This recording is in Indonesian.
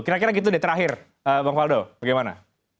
kira kira gitu deh terakhir bang faldo bagaimana